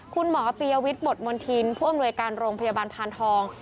คุณหมอปียวิทย์บทมณฑินผู้อำนวยการโรงพยาบาลพานทอง